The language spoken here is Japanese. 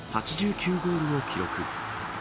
８９ゴールを記録。